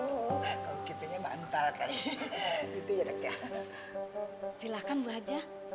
oh kalau gitu ya bantalat ya